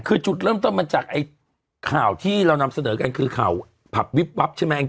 คือจุดเริ่มต้นมันจากข่าวที่เรานำเสนอกันคือข่าวผับวิบวับใช่ไหม